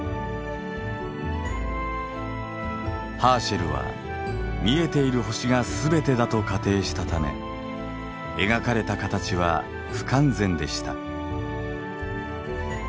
ハーシェルは見えている星が全てだと仮定したため描かれた形は不完全でした。